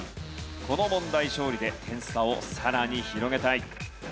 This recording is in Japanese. この問題勝利で点差をさらに広げたい。